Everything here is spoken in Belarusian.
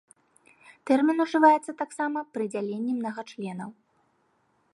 Тэрмін ужываецца таксама пры дзяленні мнагачленаў.